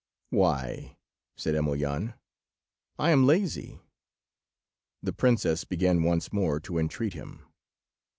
"Why," said Emelyan; "I am lazy." The princess began once more to entreat him.